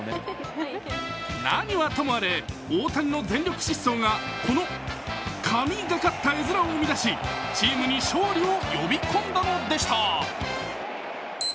何はともあれ、大谷の全力疾走がこの神がかった絵面を生み出し、チームに勝利を呼び込んだのでした。